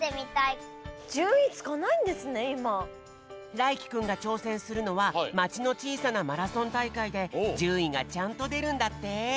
らいきくんがちょうせんするのはまちのちいさなマラソンたいかいでじゅんいがちゃんとでるんだって！